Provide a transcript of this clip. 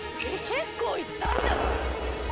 結構いったんじゃない？